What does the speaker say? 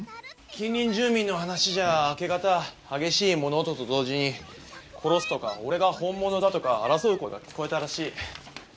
近隣住民の話じゃ明け方激しい物音と同時に「殺す」とか「俺が本物だ」とか争う声が聞こえたらしい。